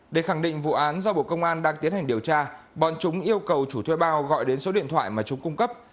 để khẳng định vụ án do bộ công an đang tiến hành điều tra bọn chúng yêu cầu chủ thuê bao gọi đến số điện thoại mà chúng cung cấp